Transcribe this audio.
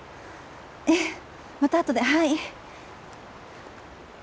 ええまた後ではい。